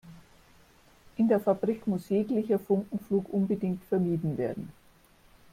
In der Fabrik muss jeglicher Funkenflug unbedingt vermieden werden.